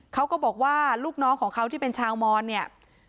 เขาก็บอกว่าลูกน้องของเขาที่เป็นชาวมอนเนี่ย